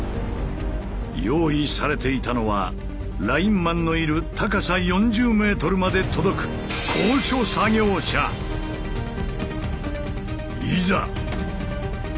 用意されていたのはラインマンのいる高さ４０ｍまで届くいざ！